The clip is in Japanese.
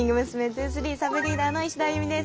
’２３サブリーダーの石田亜佑美です。